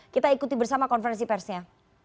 kita ikuti bersama konferensi persnya